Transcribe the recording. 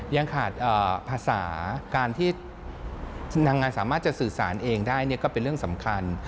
ยังขาดภาษาการที่ทางงานสามารถจะสื่อสารเองได้ก็เป็นเรื่องสำคัญ